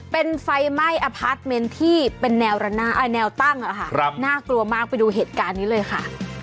เป็นไฟไหม้อพาร์ทเมนต์ที่เป็นแนวตั้งน่ากลัวมากไปดูเหตุการณ์นี้เลยค่ะ